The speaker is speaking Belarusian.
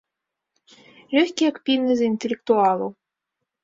Лёгкія кпіны з інтэлектуалаў.